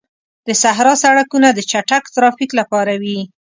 د صحرا سړکونه د چټک ترافیک لپاره وي.